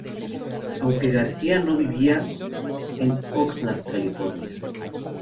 Aunque García no vivía en Oxnard, California.